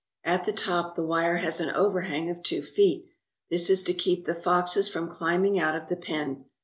At the top the wire has an overhang of t\yo feet. This is to keep the foxes from climbing out of the pen.